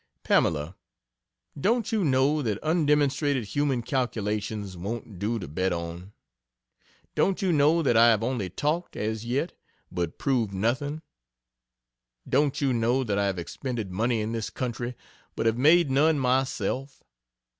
Pamela, don't you know that undemonstrated human calculations won't do to bet on? Don't you know that I have only talked, as yet, but proved nothing? Don't you know that I have expended money in this country but have made none myself?